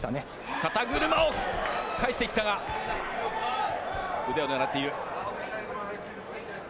肩車を返してきたが腕を狙っている。